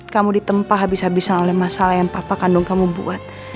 kamu ditempah habis habisan oleh masalah yang papa kandung kamu buat